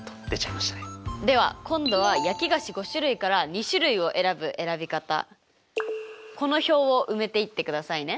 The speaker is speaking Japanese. では今度は焼き菓子５種類から２種類を選ぶ選び方この表を埋めていってくださいね。